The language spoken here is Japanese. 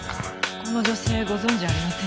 この女性ご存じありませんか？